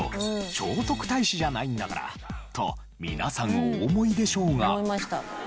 聖徳太子じゃないんだからと皆さんお思いでしょうが。